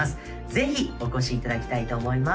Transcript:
ぜひお越しいただきたいと思います